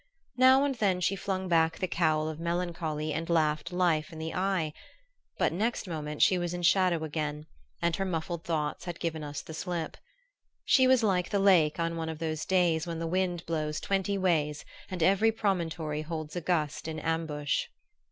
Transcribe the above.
Now and then she flung back the cowl of melancholy and laughed life in the eye; but next moment she was in shadow again, and her muffled thoughts had given us the slip. She was like the lake on one of those days when the wind blows twenty ways and every promontory holds a gust in ambush.